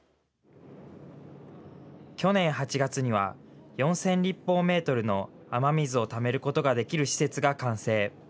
去年８月には４０００立方メートルの雨水をためることができる施設が完成。